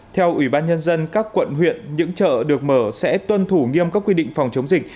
theo ủy ban nhân dân các quận huyện những chợ được mở sẽ tuân thủ nghiêm các quy định phòng chống dịch